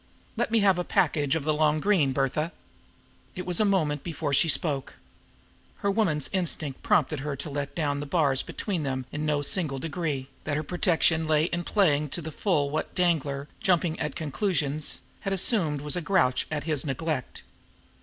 Let me have a package of the long green, Bertha." It was a moment before she spoke. Her woman's instinct prompted her to let down the bars between them in no single degree, that her protection lay in playing up to the full what Danglar, jumping at conclusions, had assumed was a grouch at his neglect.